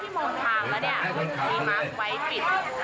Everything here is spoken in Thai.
มีมาร์คไว้ปิดกันขุดไว้ก่อนดีกว่า